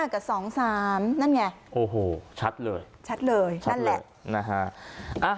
กับ๒๓นั่นไงโอ้โหชัดเลยชัดเลยนั่นแหละนะฮะ